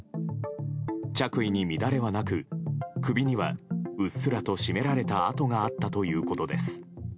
着衣に乱れはなく首には、うっすらと絞められた痕があったということです。